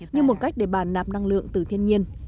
như một cách để bàn nạp năng lượng từ thiên nhiên